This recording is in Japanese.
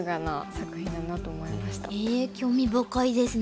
へえ興味深いですね。